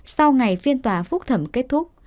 sau ngày phiên tòa phúc thẩm kết thúc